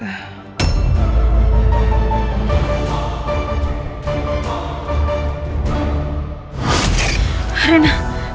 aku harus jaga mereka